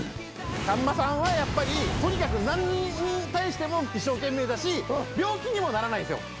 さんまさんはやっぱりとにかく何に対しても一生懸命だし病気にもならないんですよ。